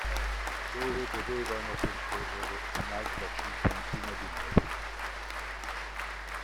Dove dovevano percorrere un’altra cinquantina di metri